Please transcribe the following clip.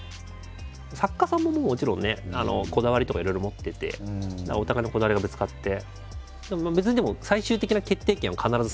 作家さんももちろんねこだわりとかいろいろ持っててお互いのこだわりがぶつかって。